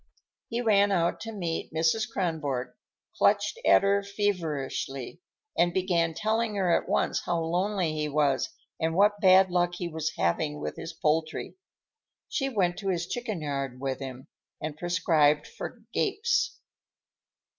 He ran out to meet Mrs. Kronborg, clutched at her feverishly, and began telling her at once how lonely he was and what bad luck he was having with his poultry. She went to his chicken yard with him, and prescribed for gapes.